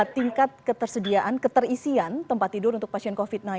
tingkat ketersediaan keterisian tempat tidur untuk pasien covid sembilan belas